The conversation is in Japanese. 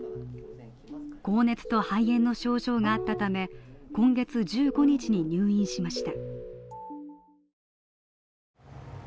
高熱と肺炎の症状があったため、今月１５日に入院しました。